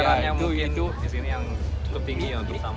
kesadarannya mungkin di sini yang kepingin untuk sampah